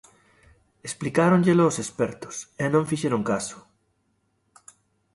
Explicáronllelo os expertos e non fixeron caso.